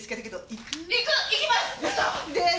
行きます！